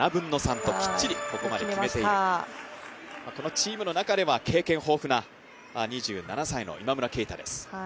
チームの中では経験豊富な２７歳の今村佳太です。